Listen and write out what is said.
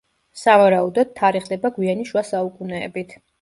სავარაუდოდ, თარიღდება გვიანი შუა საუკუნეებით.